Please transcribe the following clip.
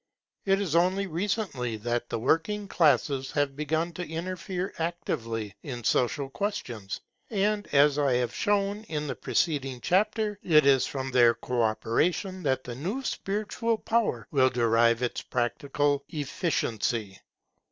It is only recently that the working classes have begun to interfere actively in social questions; and, as I have shown in the preceding chapter, it is from their co operation that the new spiritual power will derive its practical efficiency.